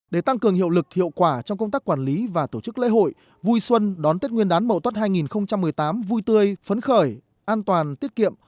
để tăng cường hiệu lực hiệu quả trong công tác quản lý và tổ chức lễ hội vui xuân đón tết nguyên đán mậu tuất hai nghìn một mươi tám vui tươi phấn khởi an toàn tiết kiệm